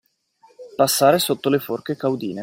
Passare sotto le forche caudine.